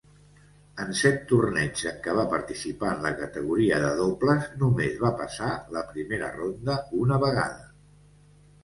En set torneigs en què va participar en la categoria de dobles, només va passar la primera ronda una vegada.